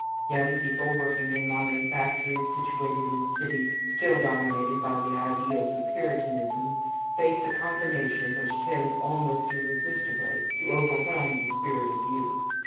Young people working in modern factories situated in cities still dominated by the ideals of Puritanism face a combination which tends almost irresistably to overwhelm the spirit of youth.